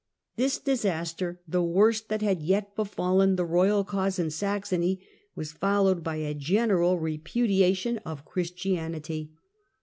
This disaster, the worst that had yet befallen the royal cause in Saxony, was followed by a general repudiation of Christianity.